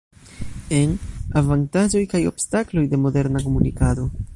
En: Avantaĝoj kaj obstakloj de moderna komunikado.